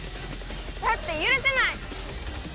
だって許せない！